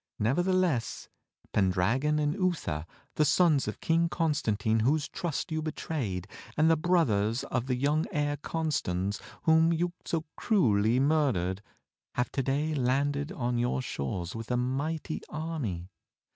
Nevertheless, Pendragon and Uther, the sons of King Con stantine whose trust you betrayed, and the brothers of the young heir Constans whom you so cruelly murdered, have today landed on your shores with a mighty army.